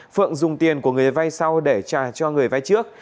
phượng dùng tiền của người vay sau để trả cho người vay trước